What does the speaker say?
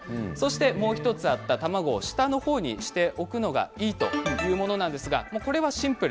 もう１つあった卵を下の方にして、置く方がいいというものですが、シンプル。